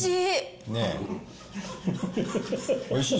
おいしい。